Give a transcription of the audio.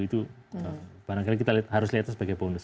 itu barangkali kita harus lihat itu sebagai bonus